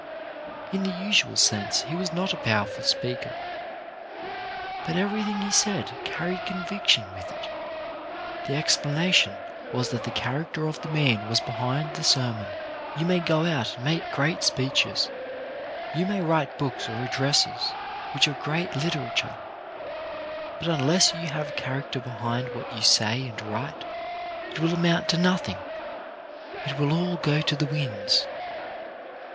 In the usual sense he was not a powerful speaker; but everything he said carried conviction with it. The explanation was that the character of the man was behind the sermon. You may go out and make great speeches, you may write books or addresses which are great literature, but unless you have character behind what you say and write, it will amount to nothing ; it will all go to the winds.